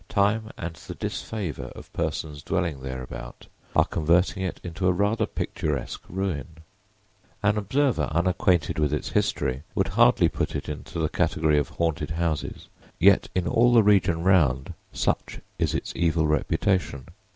Time and the disfavor of persons dwelling thereabout are converting it into a rather picturesque ruin. An observer unacquainted with its history would hardly put it into the category of "haunted houses," yet in all the region round such is its evil reputation.